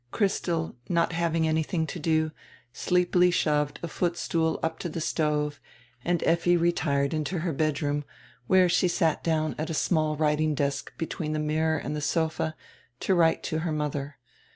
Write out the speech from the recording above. Christel, not having anything to do, sleepily shoved a footstool up to die stove, and Effi retired into her bedroom, where she sat down at a small writing desk between die mirror and die sofa, to write to her modier.